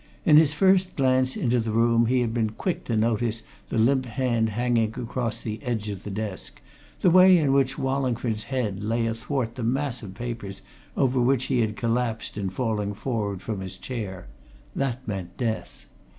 In his first glance into the room he had been quick to notice the limp hand hanging across the edge of the desk, the way in which Wallingford's head lay athwart the mass of papers over which he had collapsed in falling forward from his chair that meant death.